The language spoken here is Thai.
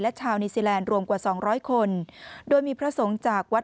และชาวนิวซีแลนด์รวมกว่าสองร้อยคนโดยมีพระสงฆ์จากวัด